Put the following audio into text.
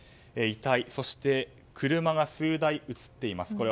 遺体、そして車が数台映っています。